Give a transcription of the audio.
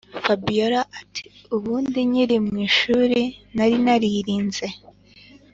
fabiora ati”ubundi nkiri mu ishuri nari naririnze